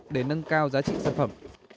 để nâng cao giá trị sản phẩm